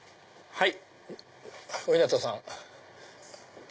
はい。